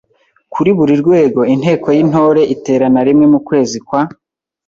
Kuri buri rwego, Inteko y’Intore iterana rimwe mu kwezi kwa